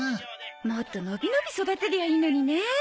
もっとのびのび育てりゃいいのにね。